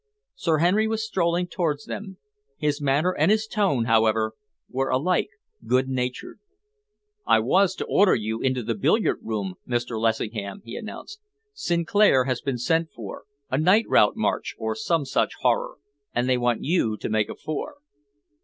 Sir Henry was strolling towards them. His manner and his tone, however, were alike good natured. "I was to order you into the billiard room, Mr. Lessingham," he announced. "Sinclair has been sent for a night route march, or some such horror and they want you to make a four."